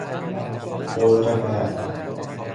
خلق بد